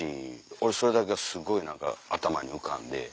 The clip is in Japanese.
俺それだけはすごい何か頭に浮かんで。